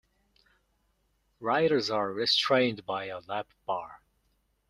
Riders are restrained by a lap bar.